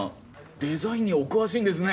デザインにお詳しいんですね